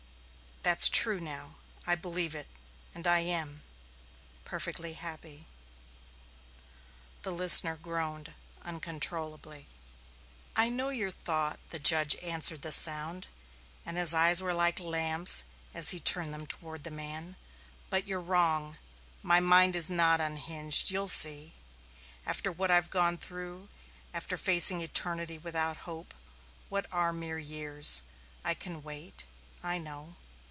That's true now. I believe it, and I am perfectly happy." The listener groaned uncontrollably. "I know your thought," the judge answered the sound, and his eyes were like lamps as he turned them toward the man. "But you're wrong my mind is not unhinged. You'll see. After what I've gone through, after facing eternity without hope, what are mere years? I can wait. I know.